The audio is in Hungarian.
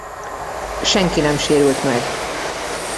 Senki nem sérült meg.